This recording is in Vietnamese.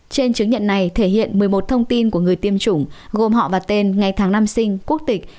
trên chứng nhận này thể hiện một mươi một thông tin của người tiêm chủng gồm họ và tên ngày tháng năm sinh quốc tịch